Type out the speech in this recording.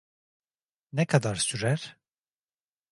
Ne kadar sürer?